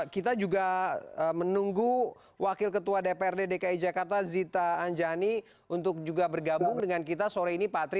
kita juga menunggu wakil ketua dprd dki jakarta zita anjani untuk juga bergabung dengan kita sore ini pak tri